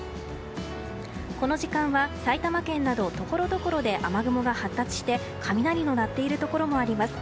この時間は埼玉県などところどころで雨雲が発達して雷が鳴っているところもあります。